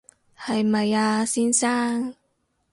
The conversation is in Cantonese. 係咪啊，先生